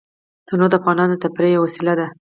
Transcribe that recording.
تنوع د افغانانو د تفریح یوه وسیله ده.